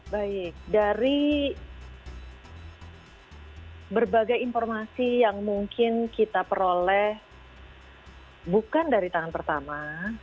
baik dari berbagai informasi yang mungkin kita peroleh bukan dari tangan pertama